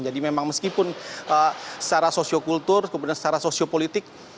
jadi memang meskipun secara sosio kultur kebenaran secara sosio politik